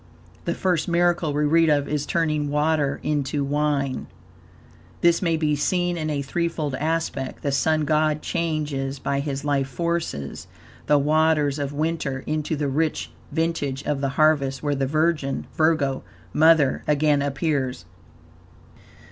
The first miracle we read of is turning water into wine. This may be seen in a threefold aspect. The Sun God changes by his life forces the waters of winter into the rich vintage of the harvest, where the Virgin (Virgo) Mother again appears.